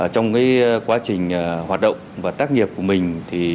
trong quá trình hoạt động và tác nghiệp của mình